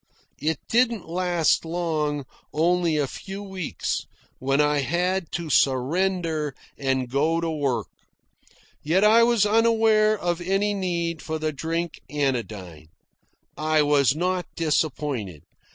It didn't last long, only a few weeks, when I had to surrender and go to work. Yet I was unaware of any need for the drink anodyne. I was not disappointed.